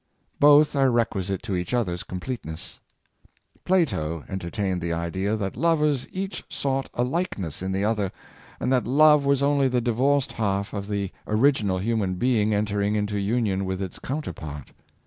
Both are requisite to each other's completeness. Plato enter tained the idea that lovers each sought a likeness in the 564: Love a Purifier. other, and that love was only the divorced half of the original human being entering into union with its coun terpart.